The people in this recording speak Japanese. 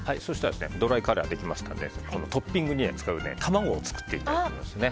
ドライカレーはできましたのでトッピングに使う卵を作っていきたいと思います。